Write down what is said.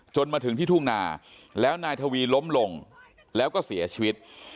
มาถึงที่ทุ่งนาแล้วนายทวีล้มลงแล้วก็เสียชีวิต